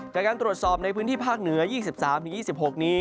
จากการตรวจสอบในพื้นที่ภาคเหนือ๒๓๒๖นี้